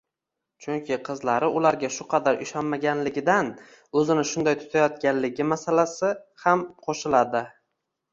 chunki qizlari ularga shu qadar ishonmaganligidan o‘zini shunday tutayotganligi masalasi ham qo‘shiladi.